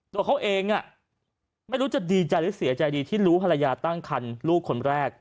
ตัวเขาเองไม่รู้จะดีใจหรือเสียใจดีที่รู้ภรรยาตั้งคันลูกคนแรก